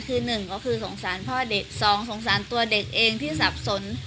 คือหนึ่งก็คือสงสารพ่อเด็กสองสงสารตัวเด็กเองที่สับสน